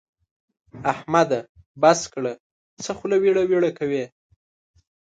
احمده! بس کړه؛ څه خوله ويړه ويړه کوې.